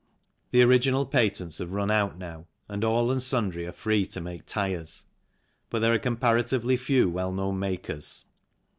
The original patents have run out now and all and sundry are free to make tyres, but there are comparatively few well known makers.